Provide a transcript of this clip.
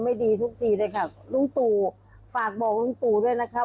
ไม่ดีทุกทีเลยค่ะลุงตู่ฝากบอกลุงตู่ด้วยนะครับ